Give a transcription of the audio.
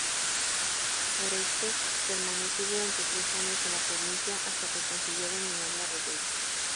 Orestes permaneció durante tres años en la provincia hasta que consiguió dominar la revuelta.